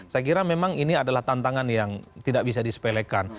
saya kira memang ini adalah tantangan yang tidak bisa disepelekan